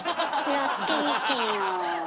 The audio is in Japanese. やってみてよ。